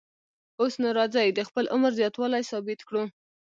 اوس نو راځئ د خپل عمر زیاتوالی ثابت کړو.